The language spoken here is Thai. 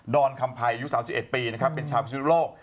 ดอลคำภัยยุค๓๑ปีเป็นชาวชื่อโลก